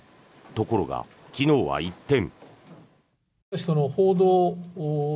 ところが昨日は一転。